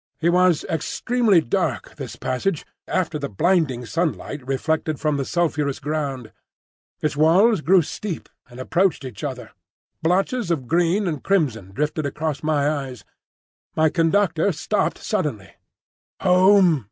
It was extremely dark, this passage, after the blinding sunlight reflected from the sulphurous ground. Its walls grew steep, and approached each other. Blotches of green and crimson drifted across my eyes. My conductor stopped suddenly. "Home!"